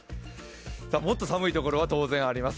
もっと寒い所は当然あります。